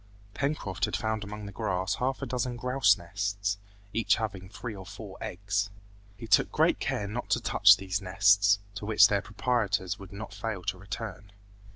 Pencroft had found among the grass half a dozen grouse nests, each having three or four eggs. He took great care not to touch these nests, to which their proprietors would not fail to return.